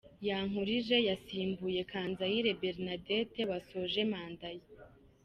Yankurije yasimbuye Kanzayire Bernadette wasoje manda ye.